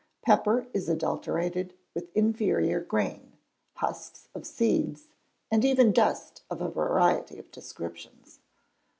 Pepper is adulterated with inferior grain, husks of seeds, and even dust of a variety of descriptions.